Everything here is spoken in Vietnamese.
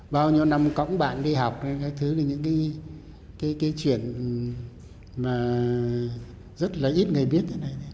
bao nhiêu năm cõng bạn đi học cái thứ là những cái chuyện mà rất là ít người biết